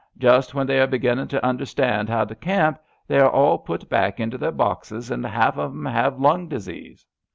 Just when they are beginning to understand how to camp they are all put back into their boxes, and half of ^em have lung disease."